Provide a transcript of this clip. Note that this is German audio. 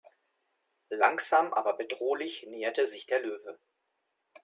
Langsam aber bedrohlich näherte sich der Löwe.